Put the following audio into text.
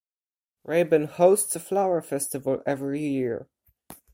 Rebun hosts a flower festival every year.